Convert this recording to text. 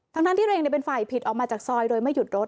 ทั้งที่ตัวเองเป็นฝ่ายผิดออกมาจากซอยโดยไม่หยุดรถ